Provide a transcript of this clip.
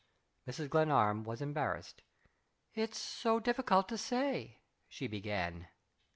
Mrs. Glenarm was embarrassed. "It's so difficult to say," she began.